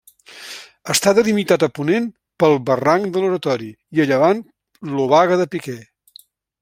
Està delimitat a ponent pel barranc de l'Oratori, i a llevant l'Obaga de Piquer.